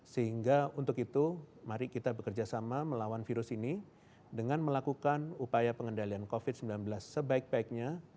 sehingga untuk itu mari kita bekerja sama melawan virus ini dengan melakukan upaya pengendalian covid sembilan belas sebaik baiknya